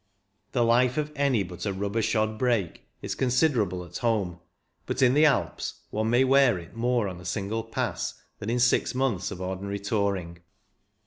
The life of any but a rubber shod brake is considerable at home, but in the Alps one may wear it more on a single pass than in six months of ordinary tour ing.